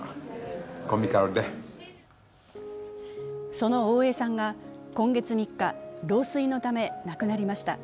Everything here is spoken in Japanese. その大江さんが今月３日、老衰のため亡くなりました。